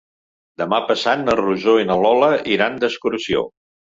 Demà passat na Rosó i na Lola iran d'excursió.